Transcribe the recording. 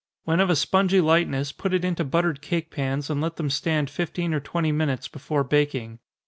When of a spongy lightness, put it into buttered cake pans, and let them stand fifteen or twenty minutes before baking.